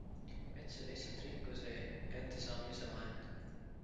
Mets on lihtsalt rikkuse kättesaamise vahend.